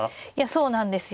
そうなんですよ。